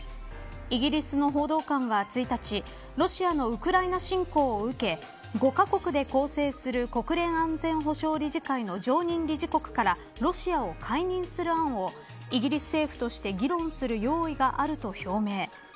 イギリスの報道官は１日ロシアのウクライナ侵攻を受け、５カ国で構成する国連安全保障理事会の常任理事国からロシアを解任する案をイギリス政府として議論する用意があると表明。